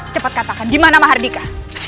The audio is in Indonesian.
cepat katakan dimana mardika